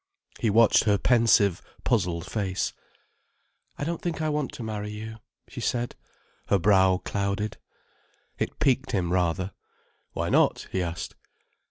He watched her pensive, puzzled face. "I don't think I want to marry you," she said, her brow clouded. It piqued him rather. "Why not?" he asked.